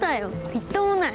みっともない。